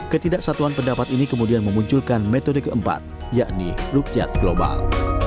ketidaksatuan pendapat ini kemudian memunculkan metode keempat yakni rukyat global